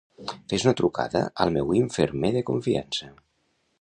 Fes una trucada al meu infermer de confiança.